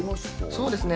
そうですね。